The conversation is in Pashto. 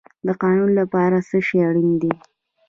د قانون لپاره څه شی اړین دی؟